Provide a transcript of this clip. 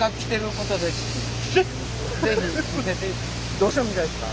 どうしても見たいですか？